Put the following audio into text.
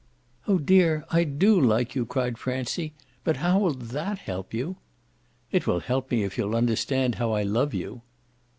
"Oh dear, I do like you!" cried Francie; "but how will that help you?" "It will help me if you'll understand how I love you."